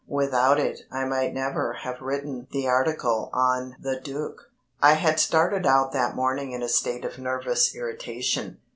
Without it I might never have written the article on the Duc. I had started out that morning in a state of nervous irritation.